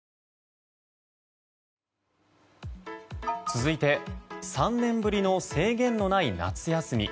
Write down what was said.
続いて、３年ぶりの制限のない夏休み。